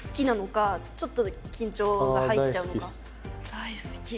大好き。